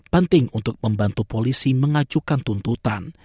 penting untuk membantu polisi mengajukan tuntutan